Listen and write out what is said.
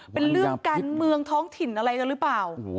เป็นเรื่องการเมืองท้องถิ่นอะไรกันหรือเปล่า